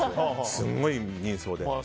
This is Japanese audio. すごい人相で。